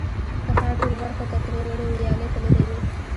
د ښار ټولو برخو ته ترې وړې ویالې تللې وې.